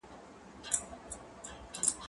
ايا ته وخت تېروې